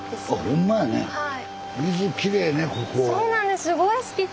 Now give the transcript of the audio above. そうなんです。